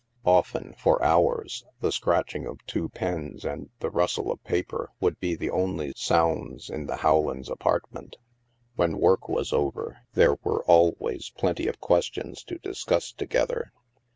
Often, for hours, the scratching of two pens and the rustle of paper would be the only sounds in the Rowlands' apartment. When work was over, there were always plenty of questions to discuss together.